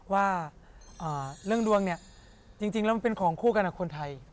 ว่าเรื่องดวงเนี่ยจริงแล้วมันเป็นของคู่กันกับคนไทย